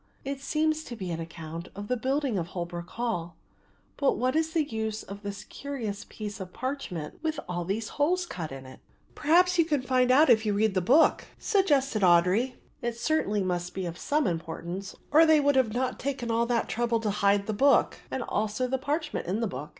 "It seems to be an account of the building of Holwick Hall; but what is the use of this curious piece of parchment with all these holes cut in it?" "Perhaps you can find out if you read the book," suggested Audry. "It certainly must be of some importance or they would not have taken all that trouble to hide the book and also the parchment in the book.